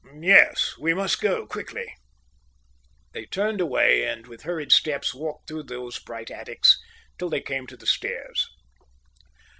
"Yes, we must go quickly." They turned away and with hurried steps walked through those bright attics till they came to the stairs.